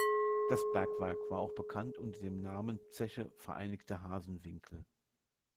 Das Bergwerk war auch bekannt unter dem Namen "Zeche Vereinigte Hasenwinkel".